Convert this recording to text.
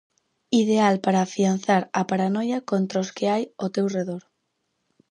Ideal para afianzar a paranoia contra os que hai o teu redor.